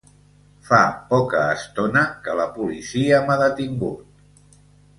Fa poca estona que la policia m’ha detingut.